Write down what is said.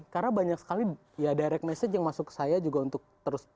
karena banyak sekali ya direct message yang masuk ke saya juga untuk terus